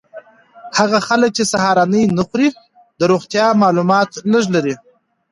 هغه خلک چې سهارنۍ نه خوري د روغتیا مالومات لږ لري.